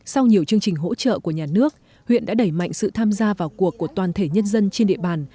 sau nhiều chương trình hỗ trợ của nhà nước huyện đã đẩy mạnh sự tham gia vào cuộc của toàn thể nhân dân trên địa bàn